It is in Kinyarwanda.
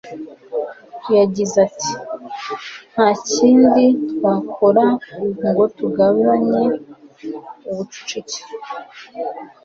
Yagize ati: "Nta kindi twakora ngo tugabanye ubucucike